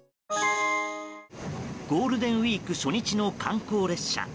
ゴールデンウィーク初日の観光列車。